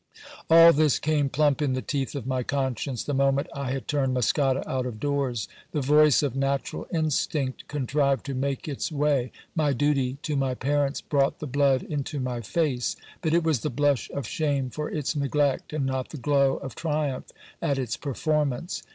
All this came plump in the teeth of my conscience, the moment I had turned Muscada out of doors. The voice of natural instinct contrived to make its way ; my duty to my parents brought the blood into my face ; but it was the blush of shame for its neglect, and not the glow of triumph at its performance.